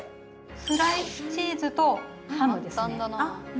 スライスチーズとハムですね。